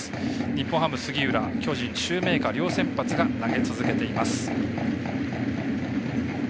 日本ハムは杉浦巨人、シューメーカー両先発が投げ続けています。